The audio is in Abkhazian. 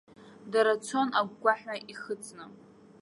Дара цон агәгәаҳәа ихыҵны.